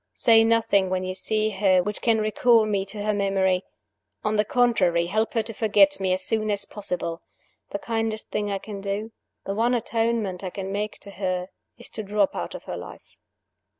Say nothing, when you see her, which can recall me to her memory. On the contrary, help her to forget me as soon as possible. The kindest thing I can do the one atonement I can make to her is to drop out of her life."